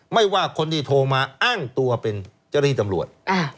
ไม่ว่าคนที่โทรมาอ้างตัวเป็นเจ้าหน้าที่ตำรวจ